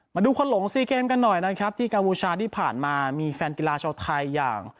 มาดูคนหลงซีเกมกันหน่อยนะครับที่กัมพูชาที่ผ่านมามีแฟนกีฬาชาวไทยอย่าง